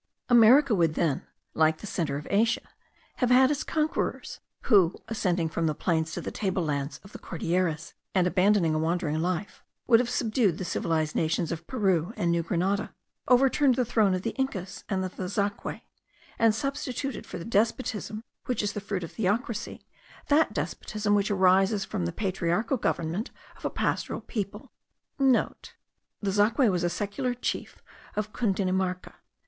America would then, like the centre of Asia, have had its conquerors, who, ascending from the plains to the tablelands of the Cordilleras, and abandoning a wandering life, would have subdued the civilized nations of Peru and New Grenada, overturned the throne of the Incas and of the Zaque,* and substituted for the despotism which is the fruit of theocracy, that despotism which arises from the patriarchal government of a pastoral people. (* The Zaque was the secular chief of Cundinamarca.